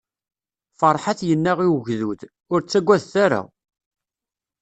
Ferḥat yenna i ugdud: Ur ttagadet ara!